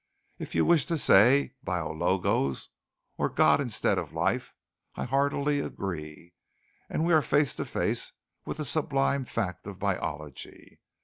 If you wish to say 'Biologos' or God instead of Life, I heartily agree, and we are face to face with the sublime fact of biology.